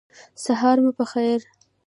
سهار مو په خیر !